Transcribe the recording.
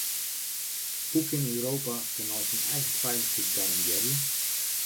Hoe kin Europa tenei syn eigen feilichheid garandearje?